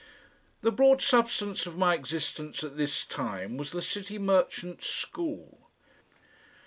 The broad substance of my existence at this time was the City Merchants School.